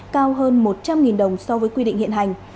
cao hơn một trăm linh đồng so với quy định hiện hành